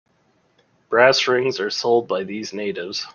Brass rings are sold by these natives.